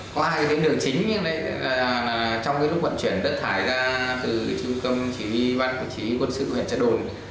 có hai tuyến đường chính trong lúc vận chuyển đất thải ra từ trung tâm chỉ huy quân sự huyện trần đồn